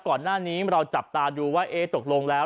ก่อนหน้านี้เราจับตาดูว่าเอ๊ะตกลงแล้ว